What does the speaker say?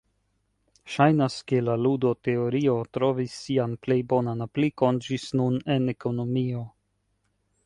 Ŝajnas ke la ludo-teorio trovis sian plej bonan aplikon ĝis nun en ekonomio.